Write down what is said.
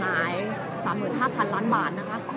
และที่อยู่ด้านหลังคุณยิ่งรักนะคะก็คือนางสาวคัตยาสวัสดีผลนะคะ